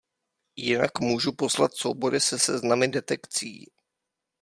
Jinak můžu poslat soubory se seznamy detekcí.